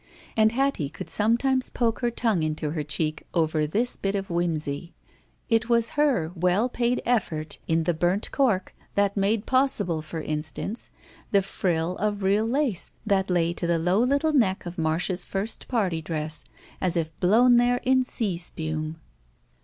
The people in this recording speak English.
And Hattie could sometimes poke ^ifer tongue into her cheek over this bit of whimsy: It was her well paid effort in the burnt cork that made possible, for instance, the frill of real lace that lay to the low little neck of Marda's first party dress, as if blown there in sea spume.